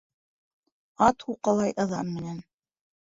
Ат һуҡалай ыҙан менән.